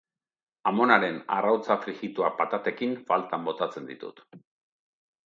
Amonaren arrautza frijituak patatekin faltan botatzen ditut.